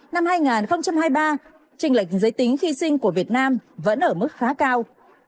năm hai nghìn hai mươi ba trình lệnh giới tính khi sinh của việt nam vẫn ở mức khá cao